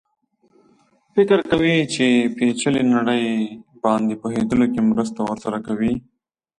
فکر کوي چې پېچلې نړۍ باندې پوهېدلو کې مرسته ورسره کوي.